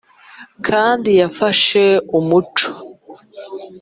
kandi yafashe umuco